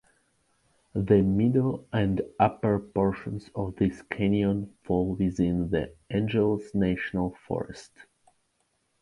The middle and upper portions of this canyon fall within the Angeles National Forest.